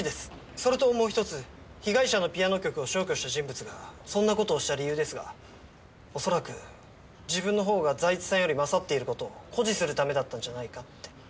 それともう１つ被害者のピアノ曲を消去した人物がそんな事をした理由ですが恐らく自分の方が財津さんより勝っている事を誇示するためだったんじゃないかって。